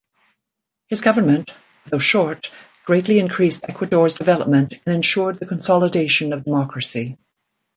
His government, though short, greatly increased Ecuador's development and ensured the consolidation of democracy.